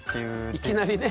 いきなりね。